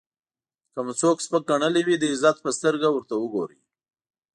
که مو څوک سپک ګڼلی وي د عزت په سترګه ورته وګورئ.